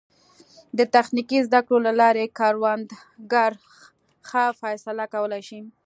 د تخنیکي زده کړو له لارې کروندګر ښه فیصله کولی شي.